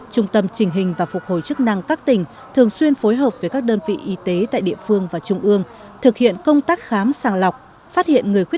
trung tâm trình hình và phục hồi chức năng các tỉnh thường xuyên phối hợp với các đơn vị y tế tại địa phương và trung ương